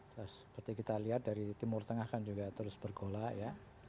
seperti kita lihat dari timur tengah kan juga terus bergolak ya